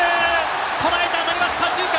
捉えた当たりは左中間！